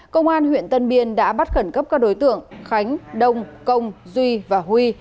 công an huyện tân biên đã bắt khẩn cấp các đối tượng khánh đông công duy và huy